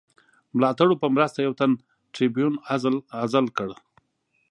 ملاتړو په مرسته یو تن ټربیون عزل کړ.